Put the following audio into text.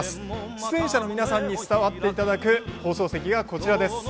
出演者の皆さんに座っていただく放送席が、こちらです。